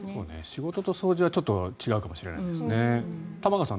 仕事と掃除はちょっと違うかもしれないですね。